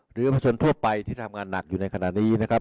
หรืออำชนทั่วไปที่ทำงานหนักอยู่ในขณะนี้นะครับ